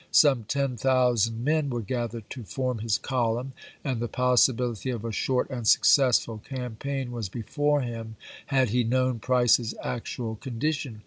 Some ten thousand men were gathered to form his column, and the possibility of a short and successful campaign was before him had he known Price's actual condition.